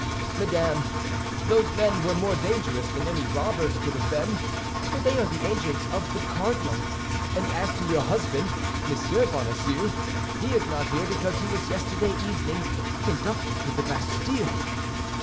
"Madame, those men were more dangerous than any robbers could have been, for they are the agents of the cardinal; and as to your husband, Monsieur Bonacieux, he is not here because he was yesterday evening conducted to the Bastille."